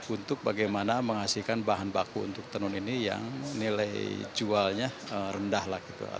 untuk bagaimana menghasilkan bahan baku untuk tenun ini yang nilai jualnya rendah lah gitu